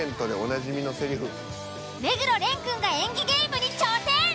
目黒蓮くんが演技ゲームに挑戦。